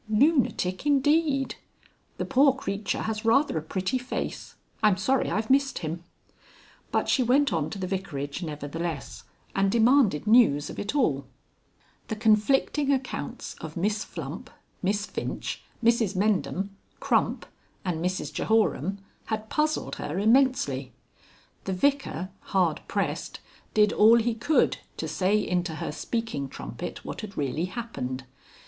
"Lunatic indeed! The poor creature has rather a pretty face. I'm sorry I've missed him." But she went on to the vicarage nevertheless, and demanded news of it all. The conflicting accounts of Miss Flump, Miss Finch, Mrs Mendham, Crump, and Mrs Jehoram had puzzled her immensely. The Vicar, hard pressed, did all he could to say into her speaking trumpet what had really happened.